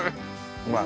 うまい。